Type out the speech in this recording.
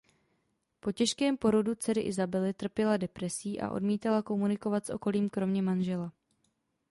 Po těžkém porodu dcery Isabely trpěla depresí a odmítala komunikovat s okolím kromě manžela.